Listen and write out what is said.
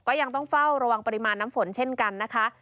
ยังต้องเฝ้าระวังปริมาณน้ำฝนเช่นกันนะคะ